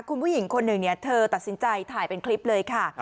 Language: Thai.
คุณผู้หญิงคนหนึ่งเธอตัดสินใจถ่ายเป็นคลิปเลยค่ะ